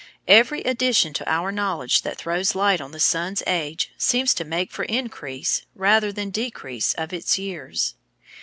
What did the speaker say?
Every addition to our knowledge that throws light on the sun's age seems to make for increase rather than decrease of its years.